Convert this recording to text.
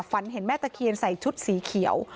ฝันเห็นแม่ตะเคียนใส่ชุดสีเขียว